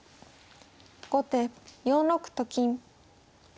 後手４六と金。